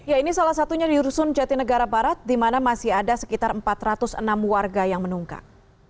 ya ini salah satunya di rusun jatinegara barat di mana masih ada sekitar empat ratus enam warga yang menunggak